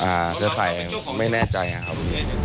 เครือข่ายไม่แน่ใจครับ